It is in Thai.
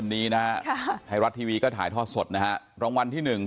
วันนี้นะฮะไทยรัฐทีวีก็ถ่ายทอดสดนะฮะรางวัลที่หนึ่ง